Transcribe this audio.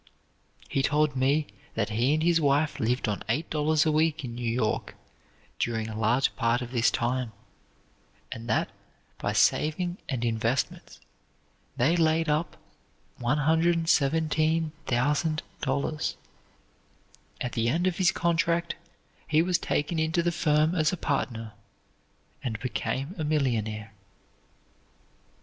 He told me that he and his wife lived on eight dollars a week in New York, during a large part of this time, and that, by saving and investments, they laid up $117,000. At the end of his contract, he was taken into the firm as a partner, and became a millionaire.